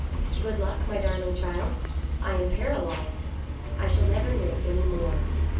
" Good Luck, my darling child ! I am paralyzed. I shall never knit any more.